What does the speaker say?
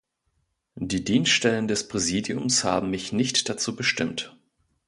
Die Dienststellen des Präsidiums haben mich nicht dazu bestimmt.